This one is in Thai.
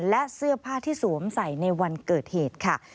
และเสื้อผ้าที่สวมใส่ในวันเกิดเหตุค่ะ